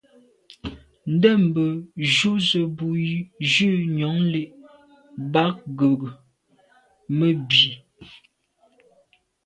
Ndə̂mbə́ jú zə̄ bū jʉ̂ nyɔ̌ŋ lí’ bɑ̌k gə̀ mə́ bí.